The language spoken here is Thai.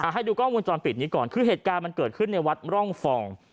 ให้ดูกล้องวงจรปิดนี้ก่อนคือเหตุการณ์มันเกิดขึ้นในวัดร่องฟอง